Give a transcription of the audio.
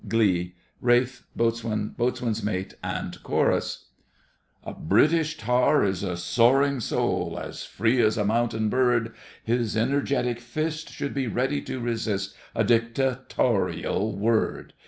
GLEE!—RALPH, BOATSWAIN, BOATSWAIN'S MATE, and CHORUS A British tar is a soaring soul, As free as a mountain bird, His energetic fist should be ready to resist A dictatorial word.